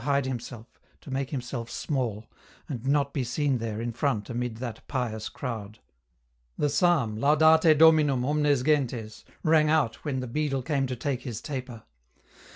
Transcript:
hide himself, to make himself small, and not be seen there in front amid that pious crowd. The psalm " Laudate Dominum, omnes gentes," rang out when the beadle came to take his taper.